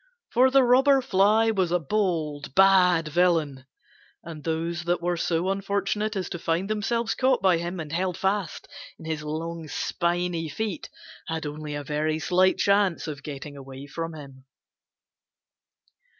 For the Robber Fly was a bold, bad villain. And those that were so unfortunate as to find themselves caught by him and held fast in his long, spiny feet had only a very slight chance of getting away from him.